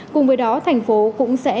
cùng với đó thành phố cũng sẽ